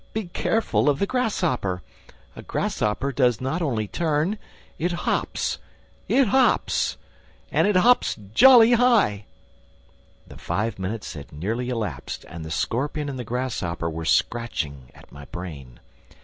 Be careful of the grasshopper! A grasshopper does not only turn: it hops! It hops! And it hops jolly high!'" The five minutes had nearly elapsed and the scorpion and the grasshopper were scratching at my brain.